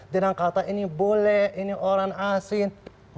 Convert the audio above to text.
dengan kata ini boleh ini orang asing